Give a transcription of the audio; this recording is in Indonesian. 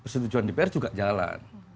setujuan dpr juga jalan